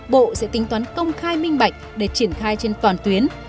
bộ sẽ tính toán công khai minh bạch để triển khai trên toàn tuyến